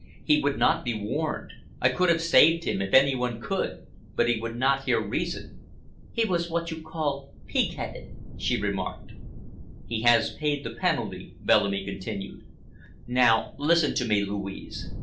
"He would not be warned. I could have saved him, if any one could, but he would not hear reason." "He was what you call pig headed," she remarked. "He has paid the penalty," Bellamy continued. "Now listen to me, Louise.